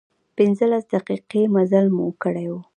پنځلس دقيقې مزل مو کړی و.